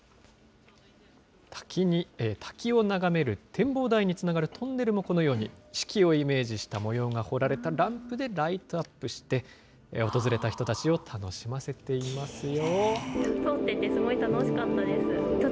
滝を眺める展望台につながるトンネルも、このように四季をイメージした模様が彫られたランプでライトアップして、訪れた人たちを楽しませていますよ。